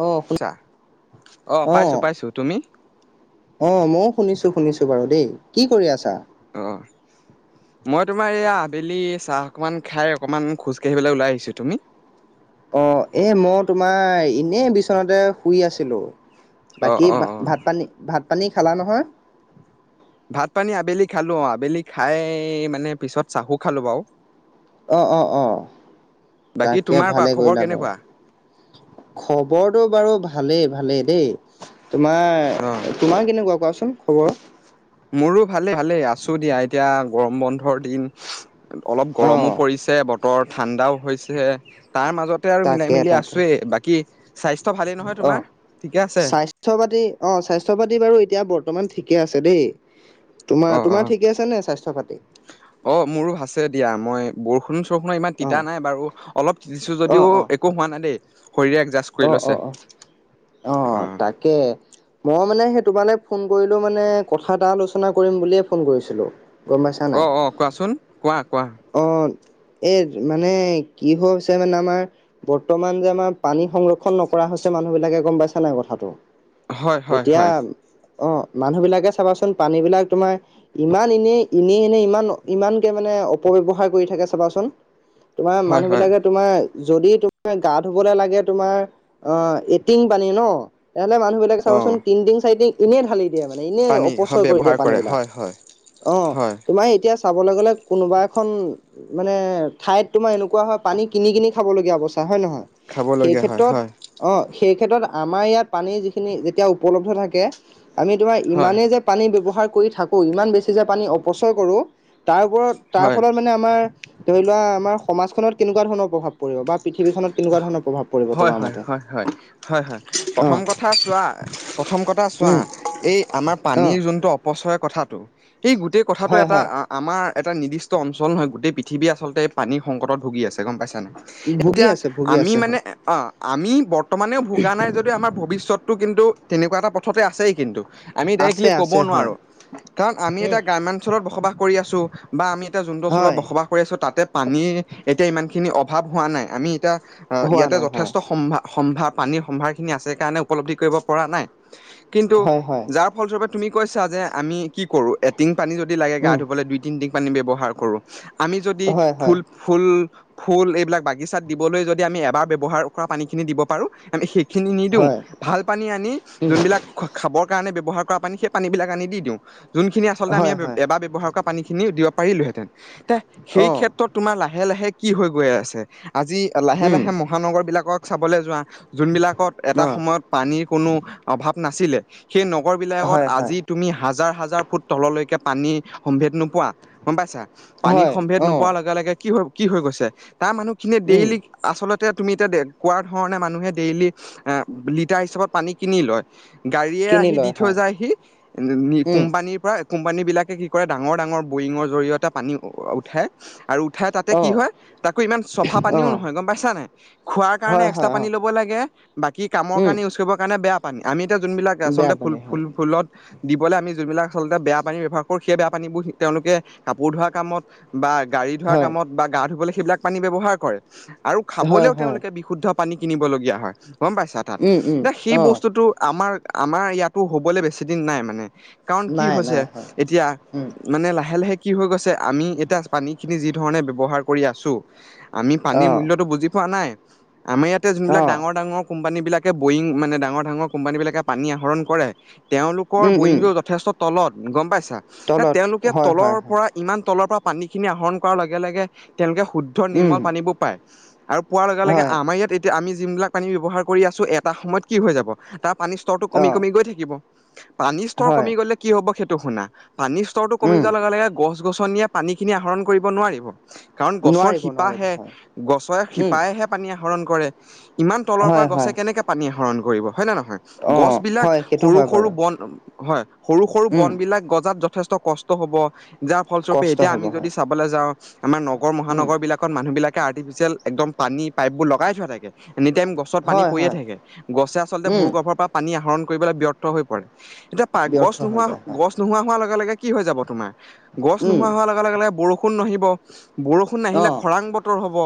অঁ শু আচ্ছা। অ', পাইছো পাইছো। তুমি? অ', ময়ো শুনিছো শুনিছো বাৰু দেই। কি কৰি আছা? অ'। মই তোমাৰ এয়া আবেলি চাহ অকণমান খাই অকণমান খোজ কাঢ়িবলৈ ওলাই আহিছোঁ। তুমি? অ', এ মই তোমাৰ এনে বিচনাতে শুই আছিলোঁ। অ বাকী অ ভা অ ভাত-পানী, ভাত-পানী খালা নহয়? ভাত-পানী আবেলি খালোঁ অ'। আবেলি খাই মানে পিছত চাহু খালো বাৰু। অ', অ', অ', বাকী তাকে তোমাৰ কোৱা ভালেই খবৰ কৰিলা বাৰু। কেনেকুৱা খবৰটো বাৰু ভালেই ভালেই দেই। অ তোমাৰ তোমাৰ কেনেকুৱা কোৱাচোন খবৰ? মোৰো ভালেই ভালেই। আছো দিয়া এতিয়া। গৰম বন্ধৰ দিন। অলপ অঁ গৰমো পৰিছে, বতৰ ঠাণ্ডাও হৈছে তাৰ মাজত তে আৰু তাকে মিলাই মিলি তাকে আছোয়ে। বাকী স্বাস্থ্য ভালেই নহয় তোমাৰ? ঠিকে আছে? স্বাস্থ্য-পাতি অ', স্বাস্থ্য-পাতি বাৰু এতিয়া বৰ্তমান ঠিকে আছে দেই। তোমাৰ, অ অ তোমাৰ ঠিক আছে নে স্বাস্থ্য-পাতি? অ', মোৰো আছে দিয়া। মই বৰষুণ-চৰষুণত ইমান অঁ তিতা নাই বাৰু অলপ দিছো অঁ যদিও অঁ একো হোৱা নাই দেই, শৰীৰে একজাষ্ট কৰি অঁ অঁ লৈছে। অঁ অ', তাকেই। মই মানে সেই তোমালে ফোন কৰিলো মানে কথা এটা আলোচনা কৰিম বুলিয়ে ফোন কৰিছিলো। গম পাইছা নাই? অ', অ', কোৱাচোন কোৱা, কোৱা? অ, এই মানে কি হৈ হৈছে মানে আমাৰ বৰ্তমান যে আমাৰ পানী সংৰক্ষন নকৰা হৈছে মানুহ বিলাকে গম পাইছা নাই কথাটো? হয় হয় এতিয়া হয় অ, মানুহ বিলাকে চাবাচোন পানী বিলাক তোমাৰ ইমান এনেই, এনেই, এনে ইমান, ইমানকে মানে অপবয়ৱহাৰ কৰি থাকে চাবাচোন। তোমাৰ হয় মানুহ হয় বিলাকে তোমাৰ যদি তোমাৰ গা ধুবলৈ লাগে তোমাৰ অ'। টিং পানী ন, তেনেহ'লে মানুহবিলাক অ চাবচোন তিনিটিন চাৰিং এনে ঢালি দিয়ে মানে এনে পানী হয় অপচয় কৰি দিয়ে। ব্যৱহাৰ পানী কৰে বিলাক হয় হয় অ, হয় তোমাৰ এতিয়া চাবলৈ গ'লে কোনোবা এখন মানে ঠাইত তোমাৰ এনেকুৱা হয় পানী কিনি, কিনি খাব লগীয়া অৱস্থা, হয়, নহয়? সেই খাবলগীয়া হয় ক্ষেত্ৰত হয় অ, সেই ক্ষেত্ৰত আমাৰ ইয়াত পানী যিখিনি যেতিয়া উপলব্ধ থাকে। আমি তোমাৰ হয় ইমানেই যে পানী ব্যৱহাৰ কৰি থাকো ইমান বেছি যে পানী অপচয় কৰোঁ। তাৰ ওপৰত তাৰ হয় ফলত মানে আমাৰ ধৰি লোৱা আমাৰ সমাজখনত কেনেকুৱা ধৰণৰ প্ৰভাৱ পৰিব বা পৃথিৱীখননত কেনেকুৱা ধৰণৰ প্ৰভাৱ পৰিব হয় তোমাৰ হয় মতে? হয়, হয়, হয় প্ৰথম অ', কথা চোৱা প্ৰথম কথা চোৱা উম, এই আমাৰ অ', পানীৰ যোনটো অপচয় কথাটো এই গোটেই কথাটো হয় এটা হয় আমাৰ এটা নিৰ্দিষ্ট অঞ্চল নহয় গোটেই পৃথিৱী আচলতে পানীৰ সংকটত ভুগি আছে, গম পাইছাননে? ভুগি আছে। ভুগি আমি আছে মানে হয়। অ, আমি বৰ্তমানেও ভোগা নাই যদি আমাৰ ভৱিষ্যত [unintelligible] কিন্তু তেনেকুৱা এটা পথতে আছেই কিন্তু। আমি আছে ডাইৰেক্টলি ক'ব আছে হয়, নোৱাৰো কাৰণ আমি এতিয়া গ্ৰাম্যাঞ্চলত বসবাস কৰি আছো। বা আমি এতিয়া যোনটো অঞ্চলত হয়। বসবাস কৰি আছো তাতে পানীৰ এতিয়া ইমান খিনি অভাৱ হোৱা নাই আমি এতিয়া আহ, হোৱা ইয়াতে নাই হয় যথেষ্ট সম্ভ-সম্ভাৰ পানীৰ সম্ভাৰ খিনি আছে স কাৰণে উপলব্ধি কৰিব পৰা নাই। কিন্তু হয় হয় যাৰ ফলস্বৰূপে তুমি কৈছা যে আমি কি কৰো এটিং পানী যদি লাগে গা উম ধুবলৈ দু তিনি ট পানী ব্যৱহাৰ কৰো আমি যদি হয় হয় ফুল, ফুল, ফুল এইবিলাক বাগিচা দিবলৈ যদি আমি এবাৰ্ৱহাৰ কৰা পানী খিনি দ পাৰো আমি সেই খিনি নিদিওঁ হয় ভাল পানী আনি উম যোনবিলাক খাবৰ কাৰণে ব্যৱহাৰ কৰা পানী সেই পানীবিলাক আনি দিওঁ যোনখিনি আচলতে আমি হয় হয় এবাৰ ব্যৱহাৰ কৰা পানী খিনিও দিব পাৰিলোহেঁতেন তে, সেই অ ক্ষেত্ৰত তোমাৰ লাহে, লাহে কি হৈ গৈ আছে। আজি লাহে, উম লাহে মহানগৰবিলাকক চাবলৈ যোৱা যোনবিলাকত এটা অ সময়ত পানীৰ কোনো অভাৱ নাছিলে সেই নগৰ বিলাকত হয় হয় আজি তুমি হাজাৰ, হাজাৰ ফুট তললৈকে পানী সম্ভেদ নোপোৱা। গম পাইছা পানীৰ হয় সম্ভেদ অ নোপোৱাৰ লগে, লগে কি হৈ, কি হৈ গৈছে তাৰ মানুহখিনিয়ে উম ডেইলি আচলতে তুমি এতিয়া দে কোৱা ধৰণে মানুহে ডেইলি এ, লিটাৰ হিচাপত পানী কিনি লয়। গাড়ীয়ে কিনি আহি দি লয় থৈ হয় যায় সি উম কোম্পানীৰ পৰা কোম্পানী বিলাকে কি কৰে ডাঙৰ, ডাঙৰ বৰিঙৰ জৰিয়তে পানী উঠে। আৰু উঠাই তাতে অ কি হয় তাকো ইমান চ অ পানও নহয় গম পাইছা নাই খ, হয় কাৰণে্স হয় অ পানী ল'ব লাগে বাকী কামৰ উম কাৰণে ইউজ কাৰণে বে পানী আমি এতিয়া যোনবিলাক বেয়া আচলতে ফুল, পানী ফুল, ফুলত দিবলৈ আমি যোনবিলাক আচলতে বেয়া পানী ব্যৱহাৰ কৰোঁ সেই বেয়া পানীবোৰ তেওঁলোকে কাপোৰ ধোৱা কামত বা গাড়ী ধোৱা হয় কামত বা গা ধুবলৈ সেইবিলাক পানী ব্যৱহাৰ কৰে আৰু হয় হয় খাবলৈও হয় তেওঁলোকে শুদ্ধ পানী কিনিবলগীয়া হয়, গম পাইছা তাত উম উম এতিয়া সেই অ বস্তুটো আমাৰ আমাৰ ইয়াতো হ'বলৈ বেছিদিন নাই মানে কাৰণ কি নাই হৈছে নাই হয় এতিয়া উম মানে লাহে, লাহে কি হৈ গৈছে আমি এতিয়া পানীখিনি যি ধৰণে ব্যৱহাৰ কৰি আছো। আমি পানীৰ অ মূল্যয়তটো বুজি পোৱা নাই আমাৰ ইয়াতে অ যোনবিলাক ডাঙৰ, ডাঙৰ কোম্পানী বিলাকে বয়িং মানে ডাঙৰ, ডাঙৰ কোম্পানী বিলাকে পানী আহৰণ কৰে। তেওঁলোকৰ উম বৰিং উম যথেষ্ট তলত গম পাইছা এ, তলত তেওঁলোকে হয় হয় তলৰ হয় পৰা ইমান তলৰ পৰা পানীখিনি আহৰণ কৰাৰ লগে, লগে তেওঁলোকে শুদ্ধ উম নিৰ্মল পানীবোৰ পায় আৰু। পোৱাৰ লগে লগে হয় আমাৰ ইয়াত এতিয়া আমি যোন বিলাক পানী ব্যৱহাৰ কৰি আছো এটা সময়ত কি হৈ যাব। তাৰ পানীৰ স্তৰটো অ কমি কমি গৈ থাকিব। পানীৰ স্তৰ হয় কমি গ'লে কি হ'ব সেইটো শুনা। পানী স্তৰটো কমি উম যোৱাৰ লগে লগে গছ-গছনিয়ে পানীখিনি আহৰণ কৰিব নোৱাৰিব। কাৰণ গছৰ নোৱাৰিব নোৱাৰিব শিপাহে হয় গছৰ উম শিপাইহে পানী আহৰণ কৰে। ইমান তলৰ হয় পৰা গছে হয় কেনেকে পানী আহৰণ কৰিব, হয়নে নহয়? অ', গছবিলাক হয় সেইটো সৰু হয় সৰু বাৰু বন হয়, সৰু সৰু উম, বন বিলাক গজাত য যথেষ্ট কষ্ট হ'ব। যাৰ ফলস্বৰূপে কষ্ট এতিয়া হ'ব আমি যদি হয়। চাবলৈ যাওঁ আমাৰ নগৰ উম, মহানগৰ বিলাক মানুহ বিলাক আৰ্টিফিচিয়েল একদম পানী পাইপবোৰ লগাই থোৱা থাকে। এনিটাইম গছত পানী হয়, পৰিয়ে হয়, থাকে, গছে আচলতে উম, ভূ-গৰ্ভৰ পৰা পানী আহৰণ কৰিবলৈ ব্যৰ্থ হৈ পৰে। এতিয়া পাই, গছ ব্যৰ্থ হৈ নোহোৱা যায় হয়, গছ নোহোৱা হোৱাৰ লগে লগে কি হৈ যাব তোমাৰ? গছ উম, নোহোৱা হোৱাৰ লগে লগে বৰষুণ নাহিব, বৰষুণ আহিলে অ', খৰাং বতৰ হ'ব,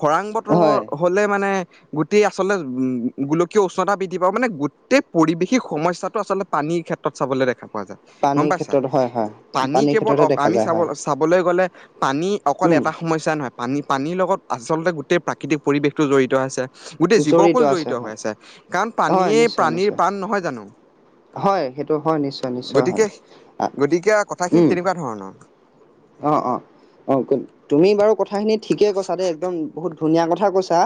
খৰাং বতৰ হয়, হ'লে মানে গোটেই আচলতে উম গোলকীয় উষ্ণতা বৃদ্ধি পাব মানে গোটেই পৰিৱেশিক সমস্যাটো আচলতে পানীৰ ক্ষেত্ৰত চাবলৈ দেখা পোৱা যায় গম পানীৰ পইছা, ক্ষেত্ৰত হয়, হয়, পানী পানীৰ কেৱল ক্ষেত্ৰতে অ দেখা আমি যায় হয়, চাব চাবলৈ গ'লে পানী অকল উম, এটা সমস্যা নহয়, পানী পানীৰ লগত আচলতে গোটেই প্ৰাকৃতিক পৰিৱেশটো জড়িত আছে। গোটেই জড়িত জীৱকুল জঢ়িত হৈ হয়, আছে। কাৰণ হয় পানীয়ে নিশ্চয়, প্ৰানীৰ নিশ্চয়, পাণ নহয় জানো। হয়, সেইটো হয়, নিশ্চয় নিশ্চয় হয়, গতিকে গতিকে কথাখিনি উম। তেনেকুৱা ধৰণৰ অ অ অ তুমি বাৰু কথাখিনি ঠিকে কৈছা দেই একদম বহুত ধুনীয়া কথা কৈছা,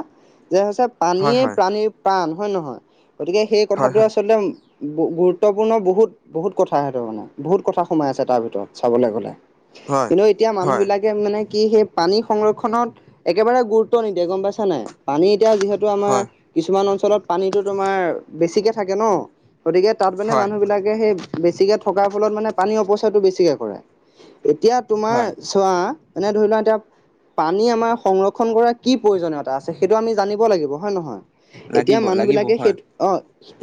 যে হৈছে হয় পানীয়েই হয় প্ৰাণীৰ প্ৰাণ হয় নহয়, গতিকে সেই হয় কথাটো হয় আচলতে গুৰুত্বপূৰ্ণ বহুত বহুত কথা সেইটো মানে বহুত কথা সোমাই আছে তাৰ ভিতৰত চাবলৈ গ'লে। হয় কিন্তু এতিয়া মানুহ হয় বিলাক মানে কি সেই পানী সংৰক্ষনত একেবাৰে গুৰুত্ব নিদিয়ে গম পাইছা নাই। পানী এতিয়া যিহেতু আমাৰ হয় কিছুমান অঞ্চলত পানীটো তোমাৰ বেছিকে থাকে ন। গতিকে তাত মানে হয় মানুহ বিলাকে সেই বেছিকে থকাৰ ফলত মানে পানী অপচয়টো বেছিকে কৰে। এতিয়া তোমাৰ হয় চোৱা এনে ধৰি লোৱা এতিয়া পানী আমাৰ সংৰক্ষন কৰাৰ কি প্ৰয়োজনীয়তা আছে, সেইটো আমি জানিব লাগিব হয়ে নহয়। এতিয়া লাগিব মানুহ লাগিব বিলাকে সেই হয় অ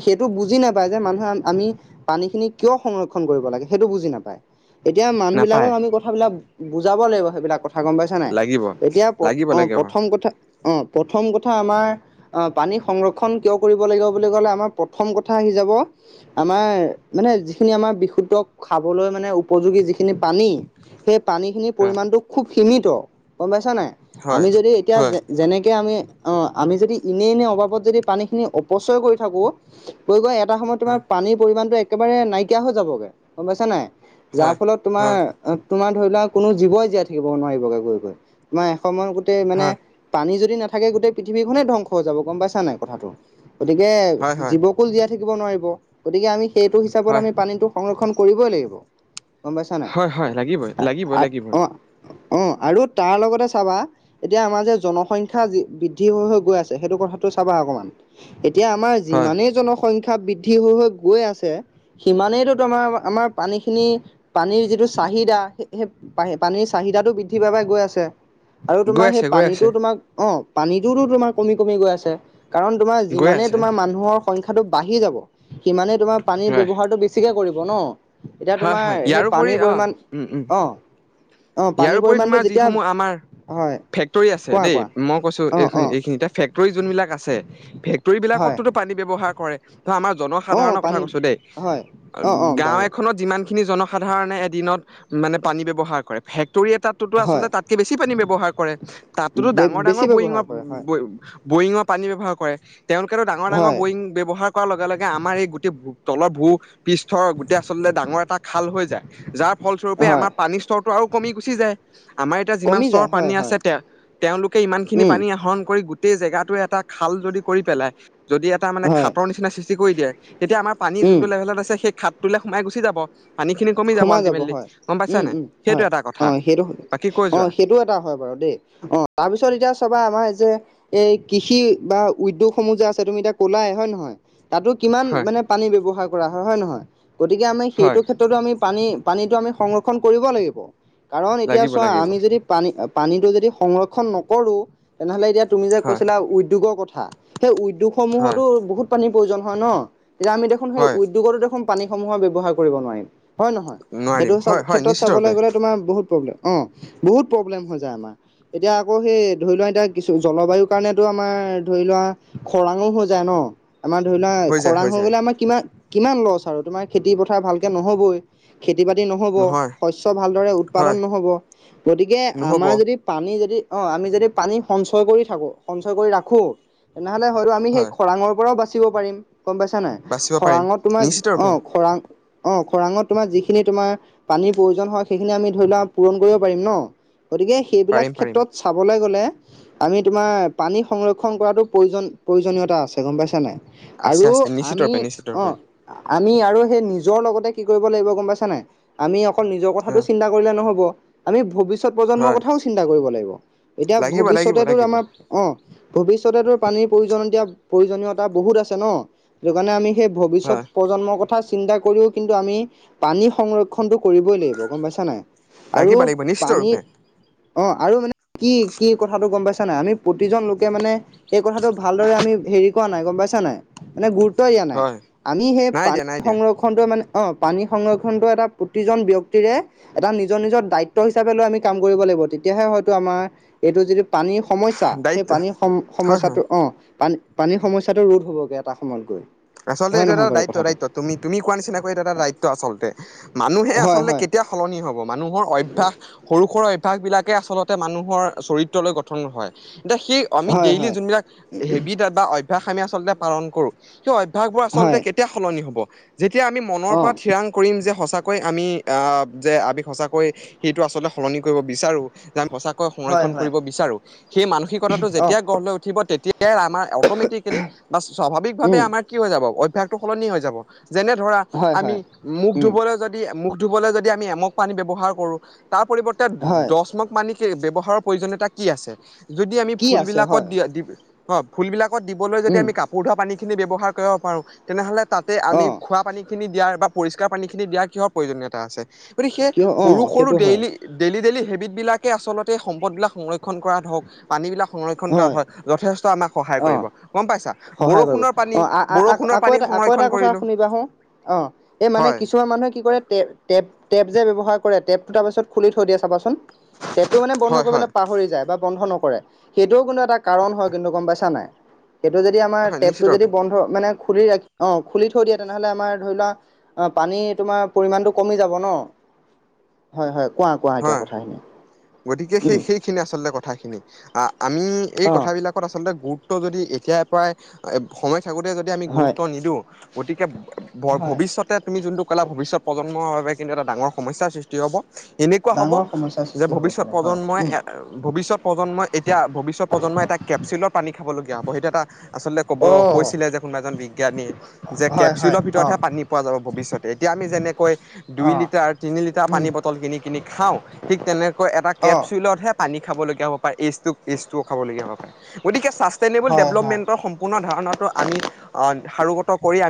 সেইটো বুজি নাপায় যে মানুহে আমি পানী খিনি কিয় সংৰক্ষণ কৰিব লাগে। সেইটো বুজি নাপায়। এতিয়া মানুহ নাপায় বিলাকক আমি কথাবিলাক বুজাব লাগিব সেইবিলাক কথা কথা গম পাইছা নাই, লাগিব এতিয়া লাগিব অ লাগিব হয় প্ৰথম কথা অ প্ৰথম কথা আমাৰ অহ পানী সংৰক্ষণ কিয় কৰিব লাগিব বুলি কলে আমাৰ প্ৰথম কথা আহি যাব আমাৰ মানে যিখিনি আমাৰ বিশুদ্ধক খাবলৈ মানে উপযোগী যিখিনি পানী, সেই পানীখিনিৰ পৰিমাণটো খুব সীমিত গম পাইছানাই। হয় আমি যদি এতিয়া হয় যেনেকে আমি অ আমি যদি এনে এনে অভাৱত যদি পানীখিনি অপচয় কৰি থাকো, গৈ গৈ এটা সময়ত তোমাৰ হয় পানীৰ পৰিমাণটো একেবাৰে নাইকিয়া হৈ যাবগে, গম পাইছা নাই? যাৰ হয় ফলত তোমাৰ হয় তোমাৰ ধৰি লোৱা কোনো জীৱই জীয়াই থাকিব নোৱাৰিবগৈ গৈ গৈ। তোমাৰ এক সময়ত গোটেই মানে হয় পানী যদি নাথাকে গোটেই পৃথিৱী খনে ধ্বংস হৈ যাব গম পাইছা নাই কথাটো? গতিকে হয় জীৱক ফুল জীয়াই থাকিব নোৱাৰিব। গতিকে আমি সেইটো হিচাপত হয় আমি পানীতটো সংৰক্ষণ কৰিবই লাগিব। গম পাইছা নাই? হয় হয় লাগিবই লাগিব অ লাগিব অ অ আৰু তাৰ লগতে চাবা এতিয়া আমাৰ যে জনসংখ্যা বৃদ্ধি হৈ গৈ আছে সেইটো কথাটো চাবা অকমান, এতিয়া আমাৰ হয় যিমানেই জনসংখ্যা সংখ্যা বৃদ্ধি হৈ হৈ গৈ আছে, সিমানেইটো তোমাৰ আমাৰ পানী খিনি পানীৰ যিটো চাহিদা, সেই পানীৰ চাহিদাটো বৃদ্ধি পাই পাই গৈ আছে। আৰু তোমাৰ গৈ সেই আছে গৈ পানীটো আছে তোমাৰ অ পানীটো তোমাৰ কমি কমি গৈ আছে। কাৰণ তোমাৰ গৈ যিমানে আছে তোমাৰ মানুহৰ সংখ্যাটো বাঢ়ি যাব, সিমানে তোমাৰ পানীৰ হয় ব্যৱহাৰটো বে কে কৰিব ন। এতিয়া হয় হয় তোমাৰ সেই ইয়াৰোপৰি পানীৰ অ পৰিমাণ উম উম অঁ অ', পানীৰ ইয়াৰোপৰি পৰিমাণটো তোমাৰ যেতিয়া যিসমূহ আমাৰ হয় ফেক্টৰী আছে কোৱা দেই কোৱা মই কৈছো অ এই অ এইখিনতে ফেক ফেক্টৰী যোনবিলাক আছে ফেক্টৰী হয় বিলাকতো পানী ব্যৱহাৰ কৰে ধৰ আমাৰ অ জনসাধাৰণৰ কথা পানী কৈছো দেই হয় অ অ গাঁও বাৰু এখনত যিমানখিনি জনসাধাৰণে এদিনত মানে পানী ব্যৱহাৰ কৰে ফেক্টৰী এটাত আচলতে হয় তাতটো বেছি পানী ব্যৱহাৰ কৰে তাতোতো বে ডাঙৰ ডাঙৰ বেছি ব্যৱহাৰ বৰিঙৰ কৰে হয় বৰিঙৰ পানী ব্যৱহাৰ কৰে তেওঁলোকেতো ডাঙৰ ডাঙৰ হয় বৰিং ব্যৱহাৰ লগে লগে আমাৰ এই গোটেই তলৰ ভূ পৃষ্ঠৰ গোটেই আচলতে ডাঙৰ এটা খাল হৈ যায় যাৰ ফলস্বৰূপে হয় আমাৰ পানীৰ স্তৰটো আৰু কমি গুচি যায় আমাৰ এতিয়া যিমান কমি চৰ যায় হয় পানী হয় আছে তেওঁ তেওঁলোকে ইমান খিনি উম পানী আহৰণ কৰি গোটেই জেগাটো এটা খাল যদি কৰি পেলাই যদি এটা তাৰ মানে হয় খাতৰ নিচিনা সৃষ্টি কৰি দিয়ে তেতিয়া আমাৰ পানী উম যোনটো লেভেলত আছে সেই খাতটোলে সোমাই গুচি যাব। পানীখিনি কমি যাব সোমাই আল্টিমেটলি হয় গম উম পাইছানে উম সেইটো হয় এটা অ কথা। সেইটো বাকী কৈ অ যোৱা? সেইটো এটা হয় বাৰু দেই অ', তাৰপিছত এতিয়া চবা আমাৰ এই যে এই কৃষি বা উদ্যোগ সমূহ যে আছে তুমি এতিয়া ক'লাই হয় নহয় তাতো কিমান হয় মানে পানী ব্যৱহাৰ কৰা হয় হয় নহয় গতিকে আমি সেইটো হয় ক্ষেত্ৰতো আমি পানী পানীটো আমি সংৰক্ষণ কৰিব লাগিব কাৰণ এতিয়া লাগিব চোৱা লাগিব আমি যদি পানী, পানীটো যদি সংৰক্ষণ নকৰোঁ তেনেহ'লে এতিয়া তুমি যে হয় কৈছিলা উদ্যোগৰ কথা সেই হয় উদ্যোগসমূহতো বহুত পানীৰ প্ৰয়োজন হয় ন, তেতিয়া আমি দেখোন সেই হয় উদ্যোগতো দেখোন পানীসমূহৰ ব্যৱহাৰ কৰিব নোৱাৰিম হয় নহয়, নোৱাৰিম হয় সেইটো হয় ক্ষেত্ৰত নিশ্চিত ৰূপে চাবলৈ গ'লে তোমাৰ বহুত প্ৰব্লেম, অ', বহুত প্ৰব্লেম হৈ যায় আমাৰ। এতিয়া আকৌ সেই ধৰি লোৱা এতিয়া কিছু জলবায়ুৰ কাৰণেতো আমাৰ ধৰি লোৱা খৰাংও হৈ যায় ন আমাৰ ধৰি লোৱা খৰাং হৈ গ'লে আমাৰ কিমান কিমান লছ আৰু তোমাৰ খেতি পথাৰ ভালকে নহ'বই খেতি বাতি নহ'ব, নহয় শস্য ভালদৰে উৎপাদন হয় নহ'ব, গতিকে নহ'ব আমাৰ যদি পানী যদি অ', আমি যদি পানী সঞ্চয় কৰি থাকো, সঞ্চয় কৰি ৰাখো তেনেহ'লে হয়তো আমি সেই হয় খৰাংৰ পৰাও বাচিব পাৰিম, গম পাইছা নাই। বাচিব পাৰিম খৰাংত তোমাৰ, নিশ্চিত ৰূপে অ' খৰাং অ', খৰাংত তোমাৰ যিখিনি, তোমাৰ পানীৰ প্ৰয়োজন হয় সেইখিনি আমি ধৰি লোৱা পূৰণ কৰিব পাৰিম ন, গতিকে সেইবিলাক পাৰিম পাৰিম ক্ষেত্ৰত চাবলৈ গ'লে আমি তোমাৰ পানী সংৰক্ষণ কৰাটো প্ৰয়োজন, প্ৰয়োজনীয়তা আছে গম পাইছা নাই। আছে আৰু আছে নিশ্চিত আমি ৰূপে নিশ্চিত ৰূপে অ' আমি আৰু সেই নিজৰ লগতে কি কৰিব লাগিব গম পাইছা নাই, আমি অকল নিজৰ কথাটো হয় চিন্তা কৰিলে নহ'ব, আমি ভৱিষ্যত প্ৰজন্মৰ হয় কথাও চিন্তা কৰিব লাগিব, এতিয়া লাগিব লাগিব ভৱিষ্যতেটো লাগিব আমাৰ অ', ভৱিষ্যতেতো পানীৰ প্ৰয়োজনতিয়া প্ৰয়োজনীয়তা বহুত আছে ন সেইটো কাৰণে আমি সেই ভৱিষ্যত হয় প্ৰজন্মৰ কথা চিন্তা কৰিও কিন্তু আমি পানী সংৰক্ষণটো কৰিবই লাগিব গম পাইছা নাই আৰু লাগিব লাগিব নিশ্চিত পানী ৰূপে অ', আৰু মানে কি? কি কথাটো গম পাইছা নাই আমি প্ৰতিজন লোকে মানে এই কথাটো ভালদৰে আমি হেৰি কৰা নাই গম পাইছা নাই মানে গুৰুত্ব দিয়া নাই হয় আমি সেই নাই পানী দিয়া নাই দিয়া সংৰক্ষণটোৱে মানে অ' পানী সংৰক্ষণটো এটা প্ৰতিজন ব্যক্তিৰে এটা নিজৰ নিজৰ দায়িত্ব হিচাপে লৈ আমি কাম কৰিব লাগিব, তেতিয়াহে হয়তো আমাৰ এইটো যিটো পানীৰ সমস্যা, সেই দায়িত্ব পানীৰ সম হয় হয় সমস্যাটো অ', পানী পানীৰ সমস্যাটো ৰোধ হ'বগৈ, এটা সময়ত গৈ। আচলতে হয় এইটো এটা নহয় বাৰু দায়িত্ব, কথাটো দায়িত্ব তুমি তুমি কোৱা নিচিনাকৈ এইটো এটা দায়িত্ব আচলতে, মানুহে হয় আচলতে হয় কেতিয়াও সলনি হ'ব মানুহৰ অভ্যাস সৰু সুৰা অভ্যাস বিলাকে আচলতে মানুহৰ চৰিত্ৰলৈ গঠন হয়, এতিয়া সেই আমি হয় ডেইলি হয় যোনবিলাক হেবিট বা অভ্যাস, আমি আচলতে পালন কৰোঁ, সেই অভ্যাসবোৰ আচলতে হয় তেতিয়া সলনি হ'ব, যেতিয়া আমি মনৰ অ পৰা ঠিৰাং কৰিম যে সঁচাকৈ আমি যে, আমি সঁচাকৈ সেইটো আচলতে সলনি কৰিব বিচাৰো যে, আমি সঁচাকৈ হয় সংৰক্ষণ হয় কৰিব বিচাৰো। সেই মানসিকতাটো অ যেতিয়াই গঢ় লৈ উঠিব, তেতিয়াই আমাৰ অট'মেটিকেলি বা স্বাভাৱিক ভাৱে উম আমাৰ কি হৈ যাব, অভ্যাসটো সলনি হৈ যাব, যেনে ধৰা হয় আমি হয় মুখ উম ধুবলৈ যদি যদি মুখ ধুবলৈ, যদি আমি এমগ পানী ব্যৱহাৰ কৰো তাৰ পৰিৱৰ্তে হয় দচ মগ পানী ব্যৱহাৰৰ প্ৰয়োজনীয়তা কি আছে, যদি আমি কি ফুল আছে বিলাকত হয় দি হয়, ফুলবিলাকত দিবলৈ যদি উম আমি কাপোৰ ধোৱা পানীখিনি ব্যৱহাৰ কৰিব পাৰো, তেনেহ'লে তাত তাতে অ আমি খোৱা পানীখিনি দিয়াৰ বা পৰিষ্কাৰ পানীখিনি দিয়াৰ কিহৰ প্ৰয়োজনীয়তা আছে। গতিকে, সেই কিয় অ সৰু সৰু সেইটো হয় ডেইলি ডেইলি ডেইলি হেবিট বিলাকে আচলতে সম্পদবিলাক সংৰক্ষণ কৰাত হওক, পানী বিলাক সংৰক্ষণ কৰা হয়, যথেষ্ট আমাক সহায় অ কৰিব গম পাইছা। সহায় কৰিব, বৰষুণৰ পানী অ', আ বৰষুণৰ আকৌ পানী এটা, আকৌ সংৰক্ষণ এটা কথা কৰিলো শুনিবাহো, অ', এই মানে হয় কিছু কিছুমান মানুহে কি কৰে, টেপ যে ব্যৱহাৰ কৰে টেপটো তাৰপিছত খুলি থৈ দিয়ে চাবাচোন। টেপটো মানে বন্ধ হয় হয় কৰিবলৈ পাহৰি যায় বা বন্ধ নকৰে, সেইটোও কিন্তু এটা কাৰণ হয় কিন্তু গম পাইছা নাই। সেইটো যদি আমাৰ হয় নিশ্চিত টেপটো ৰূপে যদি বন্ধ, মানে খুলি ৰাখি, অ', খুলি থৈ দিয়ে তেনেহ'লে আমাৰ ধৰি লোৱা অ', পানী তোমাৰ পৰিমাণটো কমি যাব ন। হয় হয়, কোৱা কোৱা। এতিয়া হয়, কথাখিনি গতিকে সেই উম সেইখিনি আচলতে কথাখিনি, আমি এই অ কথাবিলাক আচলতে গুৰুত্ব যদি এতিয়াৰ পৰাই সময় থাকোতে যদি আমি হয়। গুৰুত্ব নিদিওঁ গতিকে, ভ হয়, ভৱিষ্যত [unintelligible] তুমি যোনটো কোলা ভৱিষ্যত প্ৰজন্মৰ বাবে কিন্তু এটা ডাঙৰ সমস্যা সৃষ্টি হ'ব। এনেকুৱা হ'ব ডাঙৰ সমস্যাৰ যে সৃষ্টি হ'ব ভৱিষ্যত পাৰে হয়, প্ৰজন্মই উম। ভৱিষ্যত প্ৰজন্মই এতিয়া ভৱিষ্যত প্ৰজন্মই এটা কেপচুলৰ পানী খাবলগীয়া হ'ব সেইটো এটা আচলতে ক'ব অ', কৈছিলে যে কোনোবা এজন বিজ্ঞানীয়ে। যে হয় হয়, কেপচুলৰ অ', ভিতৰতহে পানী পোৱা যাব ভৱিষ্যতে এতিয়া আমি যেনেকৈ দুই অ', লিটাৰ তিনি লিটাৰ উম, পানী বটল কিনি কিনি খাওঁ, ঠিক তেনেকৈ এটা অ', কেপচুলতহে পানী খাব লগীয়া হ'ব পাৰে এইজটো বিজটোও খাব লগীয়া হ'ব পাৰে গতিকে স্বা [unintelligible] হয় হয়। ডেভেলপমেন্টৰ সম্পূৰ্ণ ধাৰণাটো আমি অ', সাৰোগত কৰি